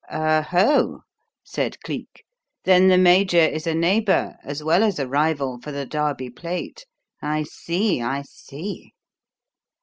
"Oho!" said Cleek; "then the major is a neighbour as well as a rival for the Derby plate. I see! I see!"